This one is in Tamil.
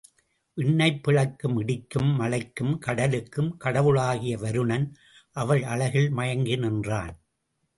விண்ணைப் பிளக்கும் இடிக்கும் மழைக்கும் கடலுக்கும் கடவுளாகிய வருணன் அவள் அழகில் மயங்கி நின்றான்.